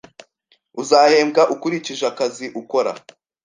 Uzahembwa ukurikije akazi ukora